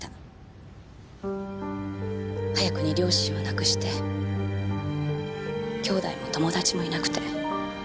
早くに両親を亡くして兄弟も友達もいなくて。